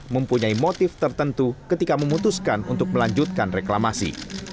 mempunyai motif tertentu ketika memutuskan untuk melanjutkan reklamasi